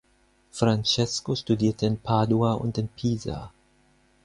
Francesco studierte in Padua und in Pisa.